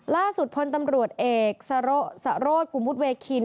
ล่าสุดพลตำรวจเอกสโรธกุมุทเวคิน